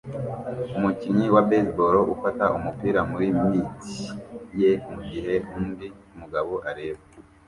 Umukinnyi wa baseball ufata umupira muri mitt ye mugihe undi mugabo areba